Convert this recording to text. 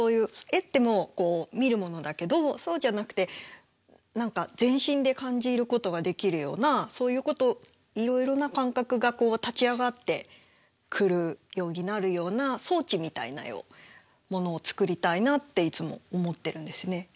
絵ってもう見るものだけどそうじゃなくて何か全身で感じることができるようなそういうことをいろいろな感覚が立ち上がってくるようになるような装置みたいな絵をものを作りたいなっていつも思ってるんですね。